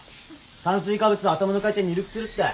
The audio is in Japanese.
炭水化物は頭の回転鈍くするったい。